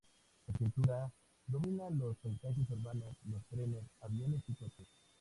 En su pintura domina los paisajes urbanos, los trenes, aviones y coches.